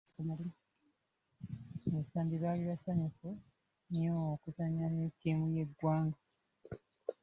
Abasambi baali basanyufu nnyo okuzannya ne ttiimu y'eggwanga.